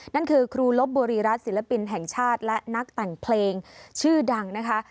นั่นคือครูลบบุรีรัฐศิลปินแห่งชาติและนักแต่งเพลงชื่อดังนะคะ